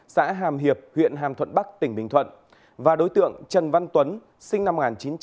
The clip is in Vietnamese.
xã hàm hiệp huyện hàm thuận bắc tỉnh bình thuận và đối tượng trần văn tuấn sinh năm một nghìn chín trăm tám mươi